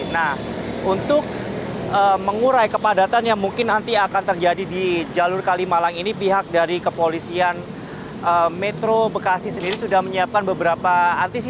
nah untuk mengurai kepadatan yang mungkin nanti akan terjadi di jalur kalimalang ini pihak dari kepolisian metro bekasi sendiri sudah menyiapkan beberapa antisipasi